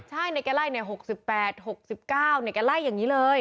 ใช่ในแกร่ไล่เนี่ย๖๘๖๙ในแกร่ไล่อย่างนี้เลย